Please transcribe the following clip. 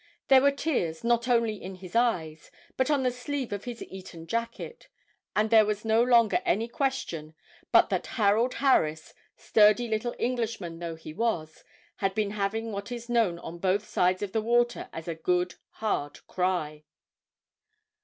There were tears not only in his eyes, but on the sleeve of his Eton jacket; and there was no longer any question but that Harold Harris, sturdy little Englishman though he was, had been having what is known on both sides of the water as a good, hard cry.